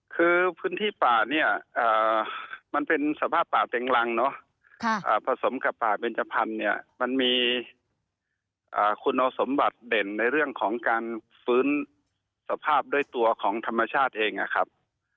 คือพื้นที่ป่าเนี่ยมันเป็นสภาพป่าเต็งรังเนาะผสมกับป่าเบนจพันธุ์เนี่ยมันมีคุณสมบัติเด่นในเรื่องของการฟื้นสภาพด้วยตัวของธรรมชาติเองนะครับ